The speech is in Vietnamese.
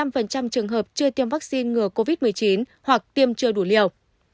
bảy mươi năm trường hợp chưa tiêm vaccine ngừa covid một mươi chín hoặc tiêm chưa đủ liều